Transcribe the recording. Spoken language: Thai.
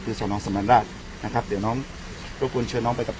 คือสอนองสมรราชนะครับเดี๋ยวน้องรบกวนเชิญน้องไปกับ